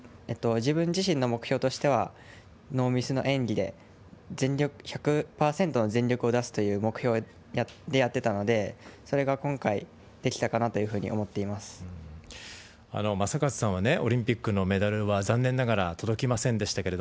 自分自身の目標としてはノーミスの演技で１００％の全力を出すという目標でやっていたのでそれが今回できたかなというふうに正和さんはオリンピックのメダルは残念ながら届きませんでした